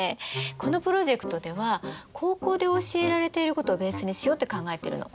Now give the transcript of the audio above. このプロジェクトでは高校で教えられていることをベースにしようって考えてるの。